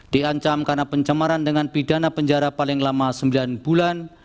diancam karena pencemaran dengan pidana penjara paling lama sembilan bulan